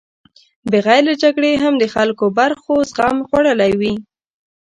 بغیر له جګړې هم د خلکو برخو زخم خوړلی وي.